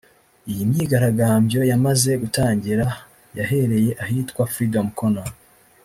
Iyi myigaragambyo yamaze gutangira yahereye ahitwa Freedom corner